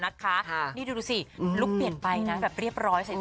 นะครับนี่ดูสิลูกเปลี่ยนไปนะแบบเรียบร้อย